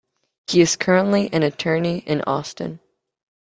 He is currently an attorney in Austin.